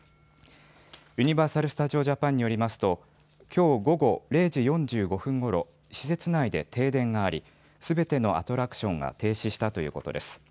ユニバーサル・スタジオ・ジャパンによりますときょう午後０時４５分ごろ、施設内で停電がありすべてのアトラクションが停止したということです。